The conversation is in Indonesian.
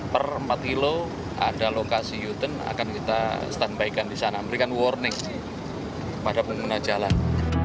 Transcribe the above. per empat kilo ada lokasi u turn akan kita standby kan di sana memberikan warning kepada pengguna jalan